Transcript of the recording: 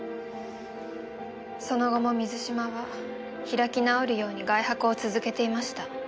その後も水嶋は開き直るように外泊を続けていました。